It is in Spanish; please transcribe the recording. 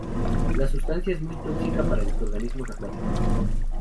La sustancia es muy tóxica para los organismos acuáticos.